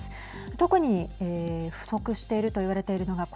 特に不足していると言われているのがはい。